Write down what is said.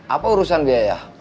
apa urusan biaya